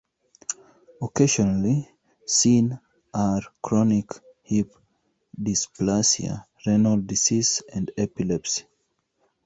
Occasionally seen are chronic hip dysplasia, renal disease, and epilepsy.